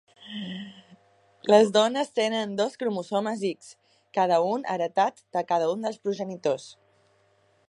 Les dones tenen dos cromosomes X, cada un heretat de cada un dels progenitors.